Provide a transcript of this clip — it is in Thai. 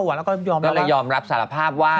แล้วก็ยอมรับสารภาพว่า